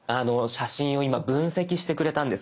写真を今分析してくれたんです。